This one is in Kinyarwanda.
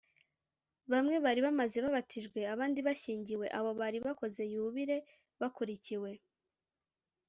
bamwe bari bamaze babatijwe, abandi bashyingiwe. abo bari bakoze yubile bakurikiwe